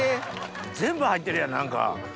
全部入ってるやん何か。